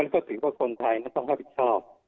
คือว่าคนไทยก็ต้องรับผิดชอบ